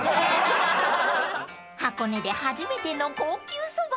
［箱根で初めての高級蕎麦］